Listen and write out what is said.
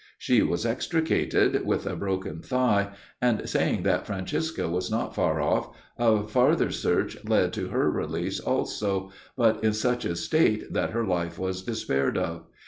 She was extricated, with a broken thigh, and saying that Francisca was not far off, a farther search led to her release also, but in such a state that her life was despaired of.